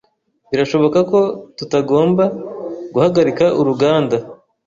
Birashoboka ko tutagomba guhagarika uruganda.